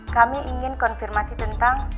kami ingin konfirmasi tentang